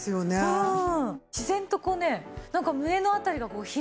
うん。